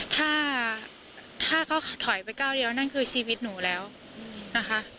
ถ้าถ้าเขาถอยไปก้าวเดียวนั่นคือชีวิตหนูแล้วนะคะ